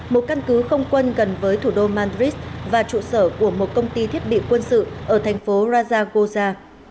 một căn cứ không quân gần với thủ đô madrid và trụ sở của một công ty thiết bị quân sự ở thành phố rajagoza